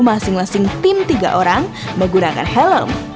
masing masing tim tiga orang menggunakan helm